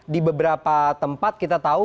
di beberapa tempat kita tahu